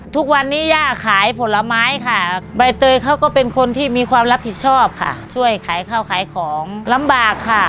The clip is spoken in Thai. ทุกวันนี้ย่าขายผลไม้ค่ะใบเตยเขาก็เป็นคนที่มีความรับผิดชอบค่ะช่วยขายข้าวขายของลำบากค่ะ